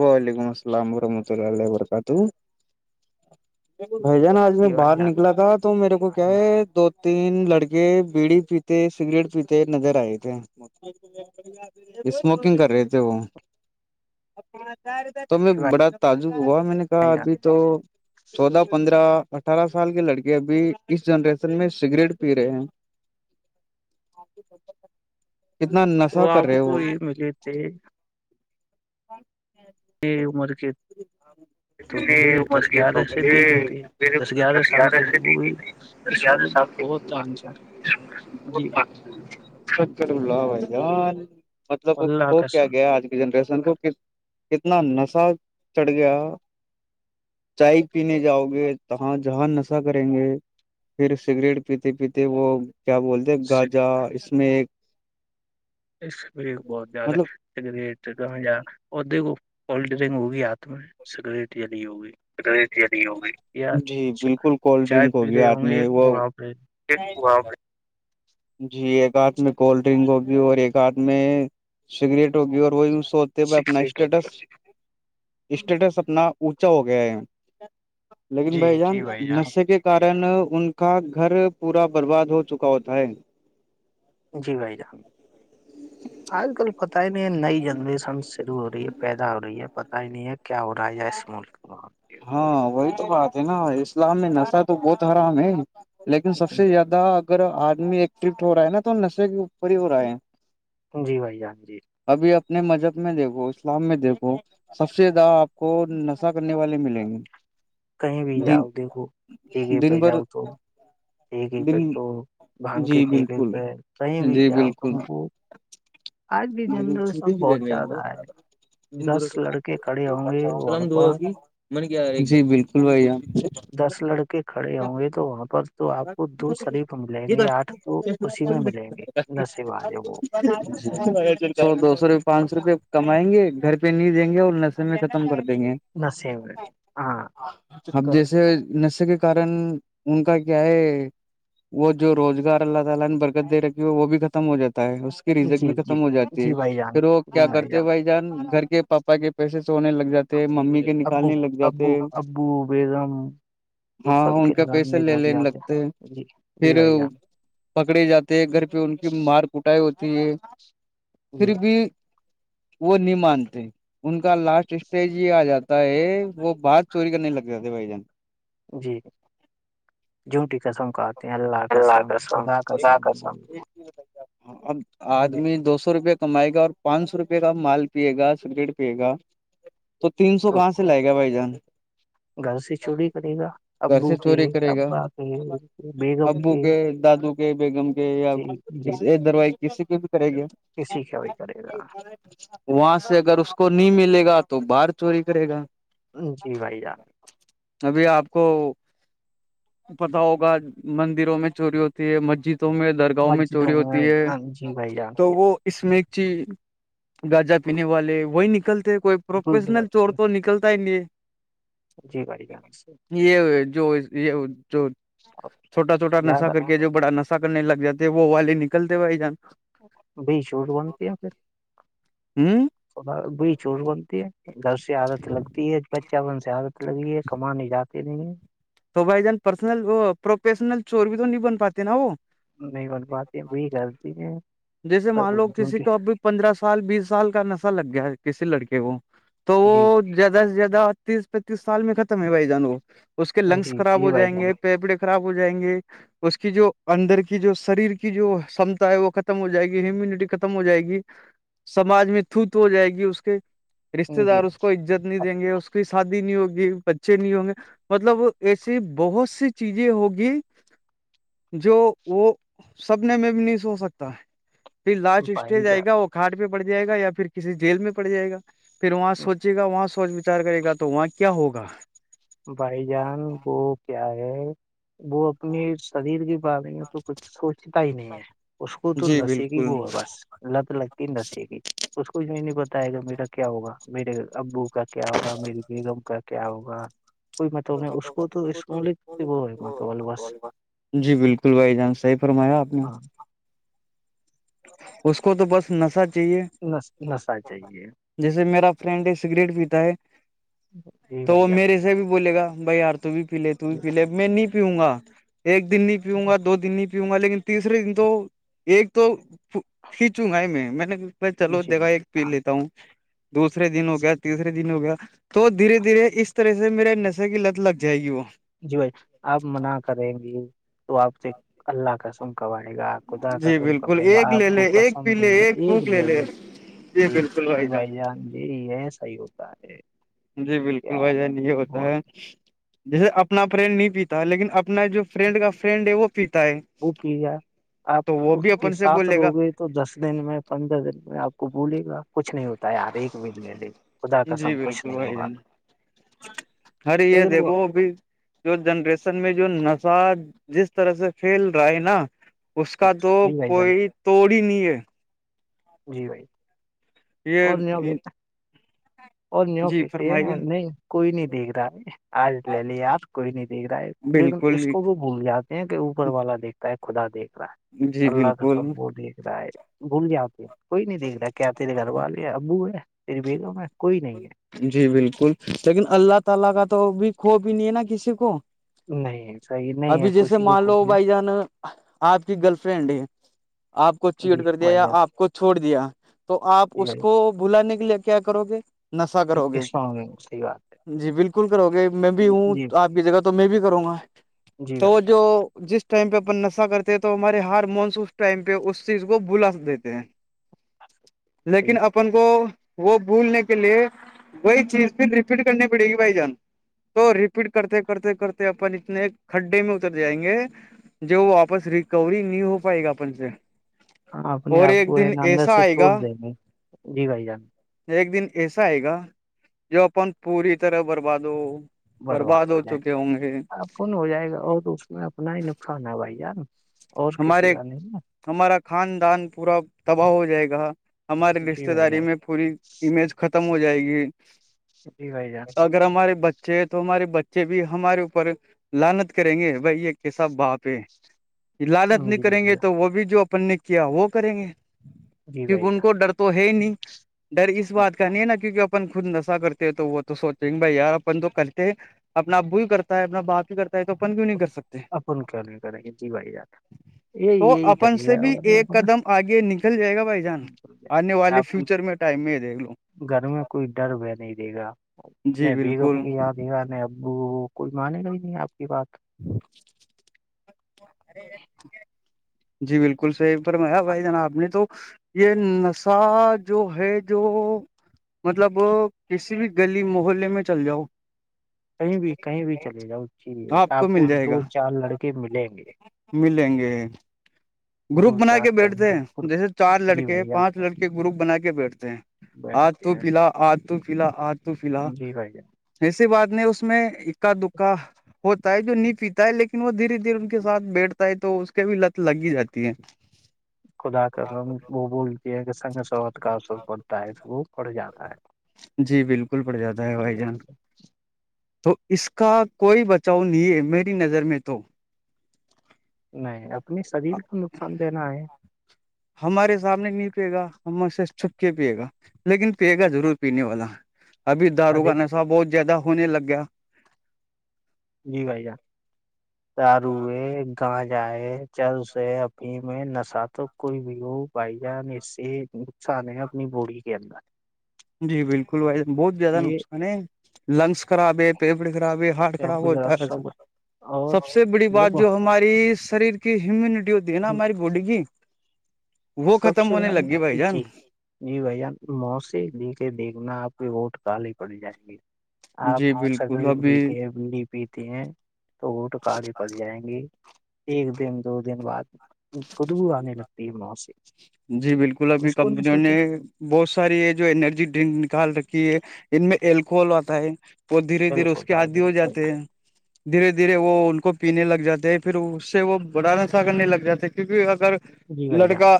وعلیکم السلام ورحمۃ اللہ وبرکاتہ بھ جان آج میں جی بھائی باہر جان نکلا تھا تو میرے کو کیا ہے جی دو تین لڑکے بیڑی پیتے سگریٹ پیتے نظر آئے تھے اسموکنگ کر رہے تھے وہ تو میں بڑا تجو ہوا میں نے کہا بھائی ابھی جان تو چودہ پندرہ اٹھارہ سال کے لڑکے ابھی اس جنریشن میں سگریٹ پی رہے ہیں [inaudible] نشہ وہ کر آپ رہے کو وہ یہ ملے تھے اور یہ عمر کے تو مجے دس گیارہ سے دی گئی تھی دس گیارہ سال گئے تے وہ اسول میں بہت آان سر جی سک بلہ بھائی جان مطلب اللہ ہو کیا قسم گیا آج کی جنریشن کو کتنا نشہ چڑھ گیا چائے پینے جاؤ گے تاں جہاں نشہ کریں گے پھر سگریٹ پیتے پیتے وہ کیا بولتے سک- گاجا اس میں ایک اس بھی بہت زیاد ہے مطلب سگریٹ کا ے کو پل ڈرنگ ہوگی ہاتھ میں سگریٹ جلی ہوگی یا جی چا- بالکل کولڈ چائے ڈرنک پی ہوگی رہے آد ہوں گے میں وہ وہاں پہ جی ایک آاتھ میں کولڈ ڈرنک ہوگی اور ایک ہاتھ میں سگریٹ ہوگی اور وہی سو وہ اپنا سگریٹ اسٹیٹس ہوگی اسٹیٹس اپنا اونچا ہو گیا ہے لیکن بھائی جان نشے کے کن ان کا گھر پورا برباد ہو چکا ہوتا ہے جی بھائی جان آج کل پت ہی نہیں نئی جنریشن شروع ہو رہی ہے پیدا ہو رہی ہے پتا ہی نہیں ہے کیا ہو رہا ہے اس ملک میں ہاں وہی تو بات ہے نا اسلام میں نشہ تو بہت حرام ہے لیکن سب سے زیادہ اگر آدمی ایکٹفٹ ہو رہا ہے نا تو نشے پری پور ہے جی بھائی جان جی ابھی اپنے مذہب میں دیکھو اسلام میں دیکھو سب سے زیادہ آپ کو نشہ کرنے والے مل ج کہیں بھی جاؤ دیکھو ٹگے پہ دن بھر جاؤ تو ٹیکے پہ دن تو بھگ کے جی ٹییکے بالکل پہ کہیں بھی جی جاؤ بالکل تم کو آج بھی جنرشنگ بہت زیادہ ہے دس لڑکے کھڑے ہوں گے وہاں پر م نے کیا ایک جی بالکل بھائی دس لڑکے کھڑے ہوں گے تو وہاں پر تو آپ کو دو شریف ملیں گے آٹھ تو چ اسی میں ملیں گے نشے والے وہ [unintelligible] [inaudible] تو دو سوپئے پانچ سو روپے کمائیںے گھر پہ نہیں دیں گے اور نشے میں ختم کر دیں گے ن س ہاں [unintelligible] اب جیسے نشے کے کارن ان کا کیا ہے وہ جو روزگار اللہ تعالا نے برکت دے رکھی ہے وہ بھی ختم ہو جاتا ہے رزلٹ جی بھی جی ختم ہو جاتی جی ہے بھائی جان پھر وہ کیا جی کرتے بھائی جان گھر کے پاپا کے پیسے سونے لگ جاتے ہیں ممی کے ن ابو ابو ابو بیگم ہاں سب ان کے کا پیسے لگانے لے لگ لینے جاتے لگتے ہیں جی جی پھر بھائی جان پکڑے جاتے ہیں گھر پہ ان کی مار کوٹائی ہوتی ہے جی پھر بھی وہ نہیں مانتے ان کا لاسٹ اسٹیج ہی آ جاتا ہے وہ بات چوری کرنے لگ جاتے بھائی جان جی جوٹی قسم کا آتے ہیں اللہ قسم خدا قسم اب جی آدمی دو سو روپے کمائے گا اور پانچ سو روپے کا مال پیے گا سگریٹ پیے گا تو تین سو تو کہاں سے لائے گا بھائی جان گھر سے چوری کرے گا گھر ابو سے کی چوری کرے گا ابا پ ابو کے دادو کے بیگم کے یا جی جی یہ دروائی کسی کو بھی کرے گی کسی کا بھی کرے گا وہاں سے اگر اس کو نہیں ملے گا تو باہر چوری کرے گا جی بھائی جان ابھی آپ کو پتا ہوگا مندروں میں چوری ہوتی ہے مسجدوں میں درگاہوں میں مسجدوں چوری ہوتی ہے ہاں، جی بھائی جان تو وہ اس میں ایک چی گاجہ پینے والے وہی نکلتے کوئی بھول پروفیشنل جاتے چور تو ہیں نکلتا ہی یہ جی بھائی جان سے یہ جو یہ جو آپ چھوٹا چھوٹا نشہ زیادہ کر کے جو بڑا نشہ کرنے لگ جاتے وہ والی نکلتے بھائی جان بی چور بنتی ہے پھر تھوڑا بی چور ہوں بنتی ہے گھر سے عادت لگتی ہے بچہ بن سے عادت لگی ہے کمانے جاتے نہیں ہے تو بھائی جان پرسنل وہ پروفیشنل چور بھی تو نہیں بن پاتے نا وہ نہیں بن پاتی وہی کرتی ہیں جیسے مان لو کسی کو جی اب بھی پندرہ سال بیس سال کا نشہ لگ گیا ہے کسی لڑکے کو تو جی وہ زیادہ سے زیادہ تیس پینتیس سال میں ختم ہے بھائی جان وہ اس کے لنگس جی خراب جی ہو بھائی جائیں گے جان پیپڑے خراب ہو جائیں گے اس کی جو اندر کی جو شریر کی جو کمتا ہے وہ کت ختم ہو جائے گی ہیونٹی ختم ہو جائے گی سمج میں تھوت ہو جائے گی اس کے رشتے جی دار اس کو عزت نہیں دیں گے اس کی شادی نہیں ہوگی بچے نہیں ہوں گے مطلب ایسی بہت سی چیزیں ہوگی جو وہ سپنے میں بھی نہیں سو سکتا پھر لاسٹ بھائی اسٹیج آئے گا جان وہ کھاٹ میں پڑ جائے گا یا پھر کسی جیل میں پڑ جائے گا پھر وہاں سوچے گا وہاں سوچ وچار کرے گا تو وہاں کیا ہوگا بھائی جان وہ کیا ہے وہ اپنے شریر کے بارے میں تو کچھ سوچتا ہی نہیں ہے اس اس کو تو جی نہا س کی ہی ب بالکل ہے بس لت لگتی نہیں دسیے گی اس کوچھ میں نہیں پتا ہے گا میرا کیا ہوگا میرے ابو کا کیا ہوگا میری بیگم کا کیا ہوگا کوئی مطلب نہیں اس کو تو اسمولک وہ ہے مطلب بس جی بالکل فل بھائی جان صحی فرمایا آپ نے ہاں اس کو تو بس نشہ چاہیے نس نسہ چاہیے جیسے میرا فرینڈ سگریٹ پیتا ہے جی تو بھائی وہ جان میرے سے بھی بولے گا بھائی یار تو ت بھی پی لے تو بھی جی پی لے میں نہیں پیؤں گا ایک دن نہیں پیؤںا دو دن نہیں پیؤوں گا لیکن تیسرے دن تو ایک تو کھینچوں گا ہی میں میں نے میں چلو جی دیکھا جی۔ ایک پی لیتا ہوں دوسرے دن ہو گیا تیسرے دن ہو گیا تو دھیرے دھیرے اس طرح سے میرے نشے کی لت لگ جائے گی وہ جی بھائی آپ منع کریں گی تو آپ سے اللہ کا س ک آئے گا خدا جی بالکل قسمائے گا ایک آپ لے کو لے ایک کسم پی د لے گا ایک پھوک لے لے جی جی بھائی جان جی یہ صحیح ہوتا ہے جی بالکل کیا بھائی ج نہیں یہ ہوتا بہت ہے جیسے اپنا فریرین نہیں پیتا لیکن اپنا جو فرینڈ کا فرینڈ ہے وہ پیتا ہے وہ کیا آپ تو وہ بھی ان کے اپن سے ساتھ بولے گا رو گئے تو دس دن میں پندرہ دن میں آپ کو بھولے گا کچھ نہیں ہوتا ہے یار ایک بھیج لے لے خدا جی کسم کچھ بالکل نہیں بھائی ہوگا جان ار یہ لیکن وہ دیکھو اب جو جنریشن میں جو نژج جس طرح سے پھیل رہا ہے نا اس کا تو جی بھائی جان کوئی توڑ ہی نہیں ہے جی بھائی [unintelligible] یہ اور نہیں ہوگے [inaudible] اور نیو جی کہتے ہیں فرمائیے نہیں کوئی نہیں دیکھ رہا ہے آج لے لے آپ کوئی نہیں دیکھ رہا ہے لیکن بالکل اس کو وہ بھول جاتے ہیں کہ اوپر والا دیکھتا ہے خدا دیکھ رہا ہے جی اللہ کا بالکل سب وہ دیکھ رہا ہے بھول جاتے ہیں کوئی نہیں دیکھ رہا کیا تیرے گھر والے ہیں ابو ہے تیری بیگم ہے کوئی نہیں ہے جی بالکل لیکن اللہ تعالی کا تو بھی کھو بھی نہیں ہے نا کسی کو ہے نہیں صحیح نہیں ہے ابھی جیسے کسی کو مان کو لو نے بھائی جان آپ کی گرل فرینڈ ہے آپ کو جی چیٹ کر دیا بھائی یا جان آپ کو چھوڑ دیا تو آپ جی اس بھائی کو [unintelligible] بلانے کے لیے کیا کرو گے نفہ کرو گے اسلام صحیح بات ہے جی بالکل کرو گے میں بھی جی ہوں جی بھائی آپ کی جگہ تو میں بھی کروں گا جی تو بھائی وہ جان جو جس ٹائم پہ اپن نشہ کرتے ہیں تو ہمارے ہار مونس اس ٹائم پہ اس چیز کو بلا دیتے ہیں صحیح ہے لیکن اپن کو وہ بھولنے کے کے لیے وہی چیز پھر ریپیٹ کرنی پڑے گی بھائی جان [unintelligible] تو ریپیٹ کرتے کرتے کرتے اپن اتنے کھڈے میں اتر جائیں گے ج واپس ریکوری نہیں ہو پائے گا اپن سے ہاں اپنے اور آپ ایک کو ہے دن ندر ایسا سے آئے تووڑ گا دیں گے جی بھائی جان ایک دن ایسا آئے گا جو اپن پوری طرح برباد ہو برباد ہو چکے ہوں گے کون ہو جائے گا اور اس میں اپنا ہی نقصان ہے بھائی جار نا اور کسی ہمارے کا نہیں نا ہمارا خاندان پورا تباہ ہو جائے گا ہمارے جی رشتے بھائی داری جان میں پوری امیج ختم ہو جائے گی جی بھائی ا [unintelligible] اگر ہمارے بچے ہے تو ہمارے بچے بھی ہمارے اوپر لانت کریں گے بھائی یہ کیسب باپ ہے لالت جان نہیں جی کریں بھائی گے جان تو وہ بھی جو اپن نے کیا وہ کریں گے جی کیونکہ بھائی ان جان کو ڈر جی تو ہے ہی نہیں ڈر اس بات کا نہیں نا کیونکہ اپن خود نشہ کرتے ہیں تو وہ تو سوچیں گے بھائی یار اپن تو کرتے ہیں اپنا ابو ہی کرتا ہے اپنا باپ ہی کرتا ہے تو اپن کیوں نہیں کر سکتے اپن کرنے کریں جی بائی جات [unintelligible] ہ [inaudible] تو اپن سے بھی ایک اپن۔ قدم آگے نکل جائے گا بھائی جان آنے والے آپ کی فیوچر میں ٹائم دیکھ لوں گھر میں کوئی ڈر ب نہیں دے گا جی نہیں بیگا بالکل یاد گا ن ابوو کوئی مانے گا ہی نہیں آپ کی بات ہی جی بالکل صحیح پر میںیا بھائی جناا آپ نے تو یہ نسہ جو ہے جو مطلب کسی بھی گلی محلے میں چل جاؤ کہیں بھی کہیں بھی چلے جاؤ ا چی لیے آپ کو مل جائے دو گا چار لڑکے ملیں گے ملیں گے گروپ دو بنا کے چار کہیں بیٹھتے ہیں جیسے چار جی لڑکے بھیا پانچ لڑکے گروپ بنا کے بیٹھتے ہیں آ بیٹھتے تو ہیں پلا آ تو پلا آ تو پلا جی بھیا ایسی بات نہیں اس میں اکا دکا ہوتا ہے جو نہیں پیتا ہے لیکن وہ دھیرے دھیرے کے ساتھ بیٹھتا ہے تو اس کے بھی لت لگ ہی جاتی ہے خدا کا غم خ وہ بولتی ہے کہ سنگ سوت کا اثر پڑتا ہے تو وہ پڑ جاتا ہے جی بالکل پڑ جاتا ہے جی بائی جان بھائی تو اس کا کوئی بچاؤ نہیں ہے میری نظر میں تو نہیں اپنے شریر کو نقصان دینا ہے ہمارے سامنے نہیں پیے گا ہم سے چھپ کے پیے گا لیکن پیے گا ضرور پینے والا ابھی دارو ارے کا نشہ بہت زیادہ ہونے لگ گیا جی بھائی جان دارو ہے گاجا ہے چلے اھی میں نشا تو کوئی بھی ہو بائی جان اس سے سا نےے اپنی بوڑی کے اندر جی بالکل بھائی بہت زیادہ یہ نقصان ہے لنگس خراب ہے پیپڑے خراب ہے ہارٹ خراب شیمپو ذرا ہوتا ہے سب اور سب سے بڑی بات دیکھو جو ہماری شریر کی ہیمیونٹی ہوتی ہے نا ہماری باڈی کی وہ سب ختم سے ہونے لگ زیادہ گی بھائی جان جی جی بھان مو سے دیک کے دیکھنا آپ ووٹ کالے پڑ جائیں گے آپ جی بالکل سگریٹ ابھی پیتے ہیں بلی پیتے ہیں تو گٹ کالی پڑ جائیں گے ایک دن دو دن بعد پدگو آ ن لگ ت م سے جی بالکل ابھی اس کو نہیں کمپنیوں سوتے نے بہت ساری ہے جو انینرجی ڈرنک نکال رکھی ہے ان میں الکوحل آتا ہے وہ دھیرے دھیرے بالکل اس کے آادی ہو بالکل صحیح جاتے کہا۔ ہیں دھیرے دھیرے وہ ان کو پینے لگ جاتے ہیں پھر اس سے وہ بڑاسا کرنے لگ جاتا کیونکہ اگر جی بھائی جان لڑکا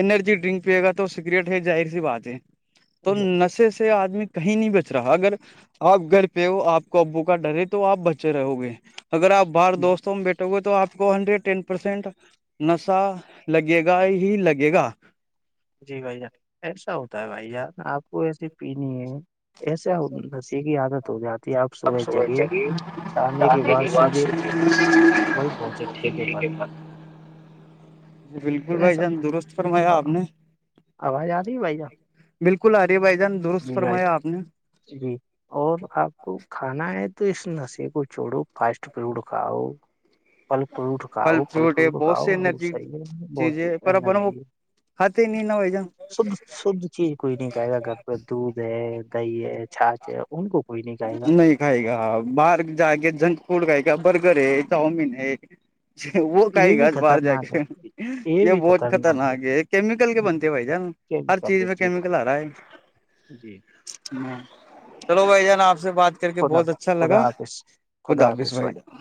انرجی ڈرنک پیے گا تو سگریٹ ہے ظاہر سی بات ہے تو نشے سے آدمی کہیں نہیں بچ رہا اگر آپ گھر پہ ہو آپ کو ابو کا ڈرے تو آپ بچے رہو گے اگر آپ باہار جی دوستوں میں بیٹھے ہوئے تو آپ کو ہنڈریڈ ٹین پرسینٹ نشہ لگے گا ہی لگے گا جی بھائی جان ایسا ہوتا ہے بھائی جان آپ کو ایسی پینی ہے ایسا ج کی عادت ہو جات س جگ کے بعد س سیدھے وہی پہنچے ٹھیک ہے پر ج بالکل تو بھائی ایسا جان درست فرمایا آپ نے آواز آ رہی ہے بھائی جان بالکل آرے بھائی جان درست جی بھائی فرمایا آپ نے جی [inaudible] اور آپ کو کھانا ہے تو اس نشے کو چھوڑو فاسٹ فوڈ کھاؤ پھل فروٹ کھاؤ پھل ہے فروٹ بہت کھاؤ سی وہ انرجی صحیح ہے بہت انرجی ہے ہات ن نو جا [inaudible] شدھ شدھ چیز کوئی نہیں کہے گا گھر پہ دودھ ہے دہی ہے چھاچ ہے ان کو کوئی نہیں کہے گا کھایےگا باہر جا کے جنک فوڈ کھایےگا برگر ہے چاؤمین ہے وہ یہ کھایےگا بھی باہر جا خطرناک کے ہے یہ بھی بہت خطرناک ہے کیمیکل کے بنتے ہیں بھائی جان کیا بھی ہر کر چیز کے میں جی کیمییکل بھائی آ رہا ہے جی چلو بھائی جان آپ سے بات کر کے بہت اچھا لگا خدا حافظ بھائی جان